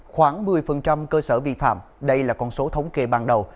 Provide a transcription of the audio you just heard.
khoảng một mươi cơ sở vi phạm đây là con số thống kê ban đầu